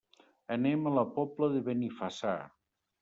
Anem a la Pobla de Benifassà.